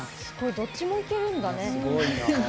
どっちもいけるんだね。